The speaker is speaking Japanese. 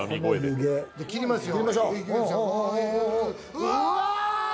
切りますよ。